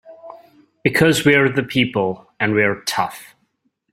Because we're the people and we're tough!